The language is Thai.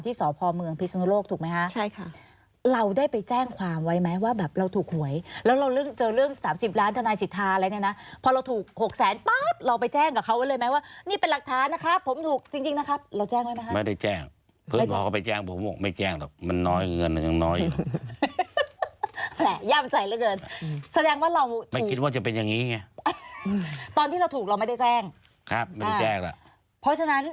ที่สพเมืองพิสุนโลกถูกไหมคะใช่ค่ะเราได้ไปแจ้งความไว้ไหมว่าแบบเราถูกหวยแล้วเราเรื่องเจอเรื่อง๓๐ล้านธนาศิษฐาอะไรเนี่ยนะพอเราถูก๖๐๐ป๊อบเราไปแจ้งกับเขาไว้เลยไหมว่านี่เป็นหลักฐานนะครับผมถูกจริงนะครับเราแจ้งไว้ไหมครับไม่ได้แจ้งเพิ่งพ่อก็ไปแจ้งผมไม่แจ้งหรอกมันน้อยเงินยังน้อยอยู่แหละย่